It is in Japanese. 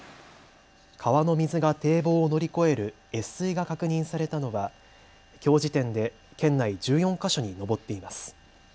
川の水が堤防を乗り越える越水が確認されたのはきょう時点で県内１４か所に上っています。